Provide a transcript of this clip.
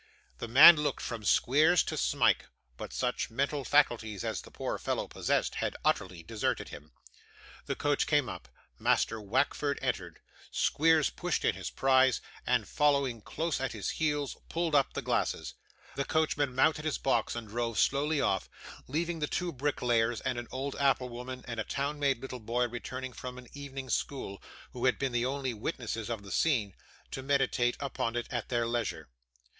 The man looked from Squeers to Smike; but such mental faculties as the poor fellow possessed, had utterly deserted him. The coach came up; Master Wackford entered; Squeers pushed in his prize, and following close at his heels, pulled up the glasses. The coachman mounted his box and drove slowly off, leaving the two bricklayers, and an old apple woman, and a town made little boy returning from an evening school, who had been the only witnesses of the scene, to meditate upon it at their leisure.